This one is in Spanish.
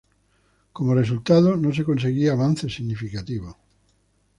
Como resultado, no se conseguían avances significativos.